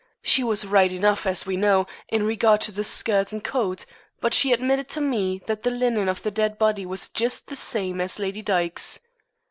She was right enough, as we know, in regard to the skirt and coat, but she admitted to me that the linen on the dead body was just the same as Lady Dyke's.